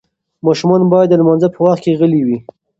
ماشومان باید د لمانځه په وخت کې غلي وي.